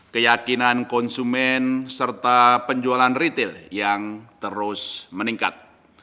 keyakinan konsumen serta penjualan retail yang terus meningkat